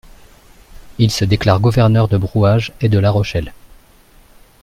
Il se déclare gouverneur de Brouage et de La Rochelle.